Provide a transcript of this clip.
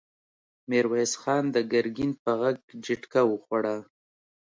ميرويس خان د ګرګين په غږ جټکه وخوړه!